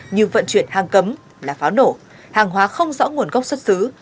như vận chuyển hàng cấm là pháo nổ hàng hóa không rõ nguồn gốc xuất xứ